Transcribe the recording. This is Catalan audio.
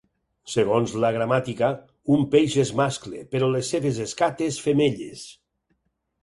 Segons la gramàtica, un peix és mascle, però les seves escates femelles.